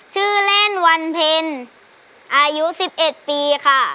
ชื่อเล่นวันเพ็ญอายุ๑๑ปีค่ะ